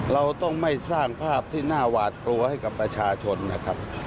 เราต้องไม่สร้างภาพที่น่าหวาดกลัวให้กับประชาชนนะครับ